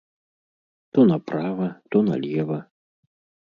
То направа, то налева.